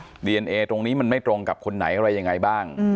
ดีเอนเอตรงนี้มันไม่ตรงกับคนไหนอะไรยังไงบ้าง